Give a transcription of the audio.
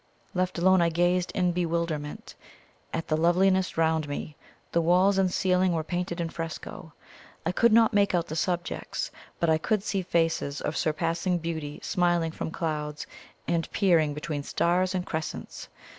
Left alone, I gazed in bewilderment at the loveliness round me. The walls and ceiling were painted in fresco. I could not make out the subjects, but I could see faces of surpassing beauty smiling from clouds, and peering between stars and crescents.